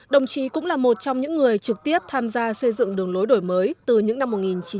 đồng chí cũng là một trong những người trực tiếp tham gia xây dựng đường lối đổi mới từ những năm một nghìn chín trăm bảy mươi